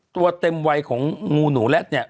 ตัวเต็มวัยของงูหนูแร็ดเนี่ย